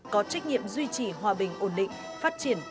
có trách nhiệm duy trì hòa bình